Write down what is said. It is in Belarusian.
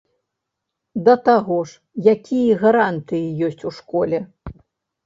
Да таго ж, якія гарантыі ёсць у школе?